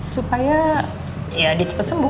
supaya ya dia cepat sembuh